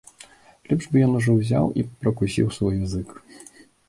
Лепш бы ён ужо ўзяў і пракусіў свой язык.